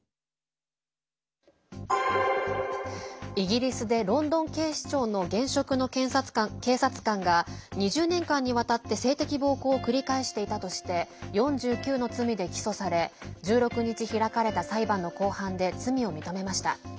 イギリスでロンドン警視庁の現職の警察官が２０年間にわたって性的暴行を繰り返していたとして４９の罪で起訴され１６日、開かれた裁判の公判で罪を認めました。